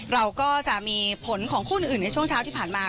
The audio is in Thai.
เราก็จะมีผลของคู่อื่นในช่วงเช้าที่ผ่านมา